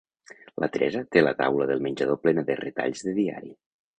La Teresa té la taula del menjador plena de retalls de diari.